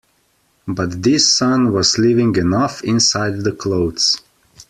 But this son was living enough inside the clothes.